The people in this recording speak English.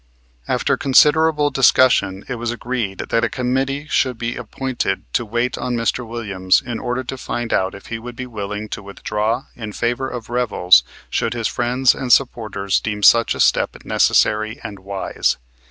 After considerable discussion it was agreed that a committee should be appointed to wait on Mr. Williams in order to find out if he would be willing to withdraw in favor of Revels should his friends and supporters deem such a step necessary and wise.